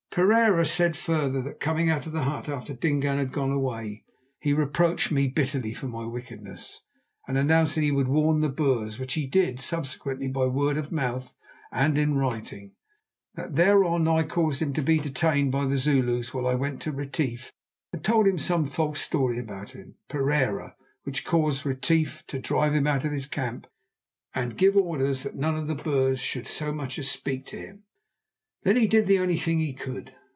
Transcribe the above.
Pereira said further that coming out of the hut after Dingaan had gone away he reproached me bitterly for my wickedness, and announced that he would warn the Boers, which he did subsequently by word of mouth and in writing. That thereon I caused him to be detained by the Zulus while I went to Retief and told him some false story about him, Pereira, which caused Retief to drive him out of his camp and give orders that none of the Boers should so much as speak to him. That then he did the only thing he could.